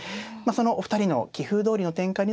そのお二人の棋風どおりの展開になるのか